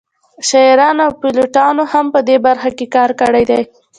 شاعرانو او پیلوټانو هم په دې برخه کې کار کړی دی